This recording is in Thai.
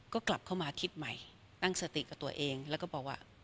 ก็กลับเข้ามาคิดใหม่ตั้งสติกับตัวเองแล้วก็บอกว่า